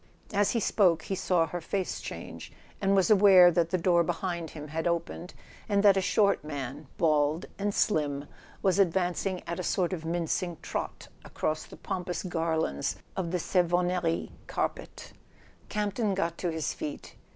As he spoke he saw her face change, and was aware that the door behind him had opened and that a short man, bald and slim, was advancing at a sort of minc¬ ing trot across the pompous garlands of the Savon nerie carpet. Campton got to his feet.